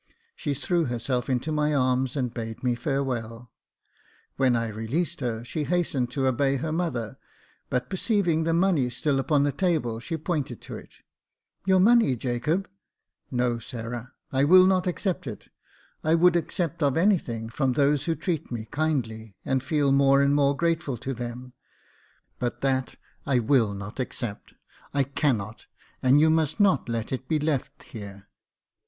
She threw herself into my arms, and bade me farewell. When I released her, she hastened to obey her mother, but perceiving the money still upon the table, she pointed to it. *' Your money, Jacob !"" No, Sarah, I will not accept it. I would accept of anything from those who treat me kindly, and feel more and more grateful to them ; but that I will not accept — I cannot, and you must not let it be left here.